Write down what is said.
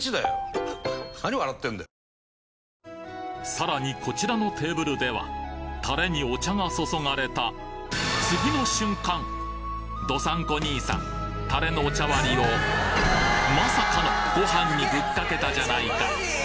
・さらにこちらのテーブルではタレにお茶が注がれた道産子兄さんタレのお茶割りをまさかのご飯にぶっかけたじゃないか！